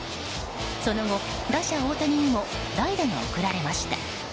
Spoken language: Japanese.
その後、打者・大谷にも代打が送られました。